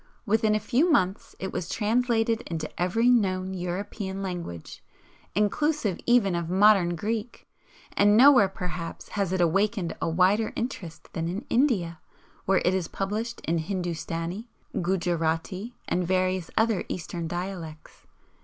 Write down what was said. Within a few months it was translated into every known European language, inclusive even of modern Greek, and nowhere perhaps has it awakened a wider interest than in India, where it is published in Hindustani, Gujarati, and various other Eastern dialects.